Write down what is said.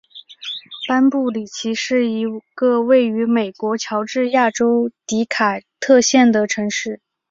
班布里奇是一个位于美国乔治亚州迪卡特县的城市。